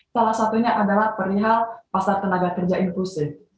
salah satunya adalah perihal pasar tenaga kerja inklusif